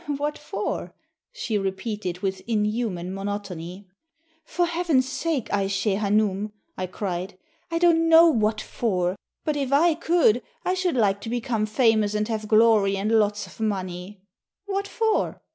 "What for?" she repeated, with inhuman monotony. "For Heaven's sake, Aishe Hanoum," I cried, "I don't know what for; but if I could, I should like to become famous and have glory and lots of money. " "What for?"